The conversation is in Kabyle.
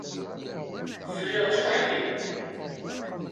Friɣ-tt weḥd-i.